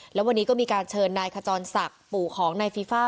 แล้ววันนี้ก็มีการเชิญนายขจรศักดิ์ปู่ของนายฟีฟ่า